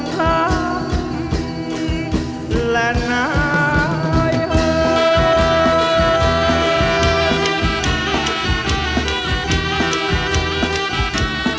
กลับไปที่นี่